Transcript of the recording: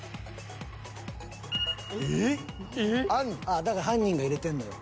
あっだから犯人が入れてんのよ。